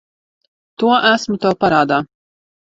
To esmu tev parādā.